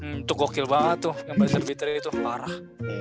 hmm tuh gokil banget tuh yang buzzer beater itu parah